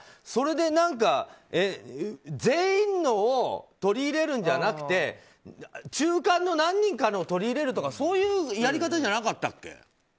それで全員のを取り入れるんじゃなくて中間の何人かの取り入れるっていうやり方じゃなかったっけ？